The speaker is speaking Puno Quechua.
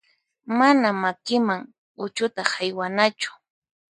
Mana makiman uchuta haywanachu.